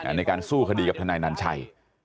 ในการสู้คดีกับทนายนันชัย